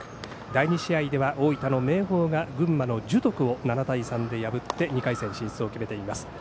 第２試合では大分の明豊が群馬の樹徳を７対３で破って２回戦進出を決めています。